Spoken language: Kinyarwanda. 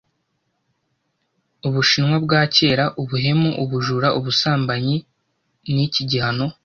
Ubushinwa bwa kera Ubuhemu Ubujura Ubusambanyi niki gihano